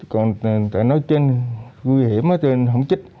còn nói chuyện nguy hiểm thì không chích